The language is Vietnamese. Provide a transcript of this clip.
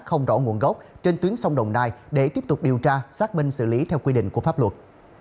không rõ nguồn gốc trên tuyến sông đồng nai để tiếp tục điều tra xác minh xử lý theo quy định của pháp luật